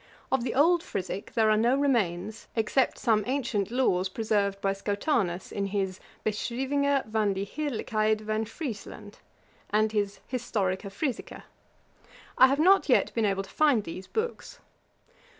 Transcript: Of the old Frisick there are no remains, except some ancient laws preserved by Schotanus in his Beschryvinge van die Heerlykheid van Friesland; and his Historia Frisica. I have not yet been able to find these books.